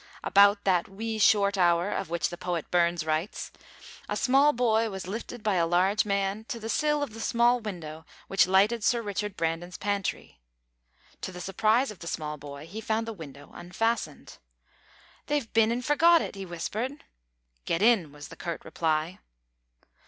About that "wee short hour" of which the poet Burns writes, a small boy was lifted by a large man to the sill of the small window which lighted Sir Richard Brandon's pantry. To the surprise of the small boy, he found the window unfastened. "They've bin an' forgot it!" he whispered. "Git in," was the curt reply.